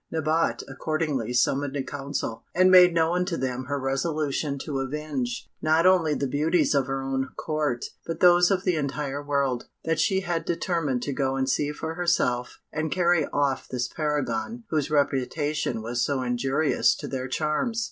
Nabote accordingly summoned a council, and made known to them her resolution to avenge, not only the beauties of her own court, but those of the entire world; that she had determined to go and see for herself, and carry off this paragon whose reputation was so injurious to their charms.